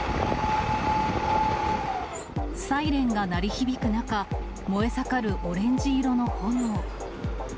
サイレンが鳴り響く中、燃え盛るオレンジ色の炎。